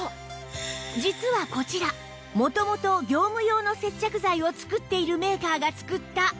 実はこちら元々業務用の接着剤を作っているメーカーが作ったカビ取り剤